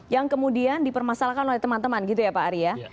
yang kemudian dipermasalahkan oleh teman teman gitu ya pak ari ya